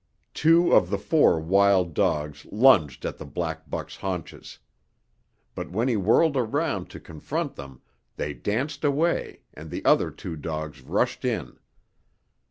Two of the four wild dogs lunged at the black buck's haunches. But when he whirled around to confront them, they danced away and the other two dogs rushed in.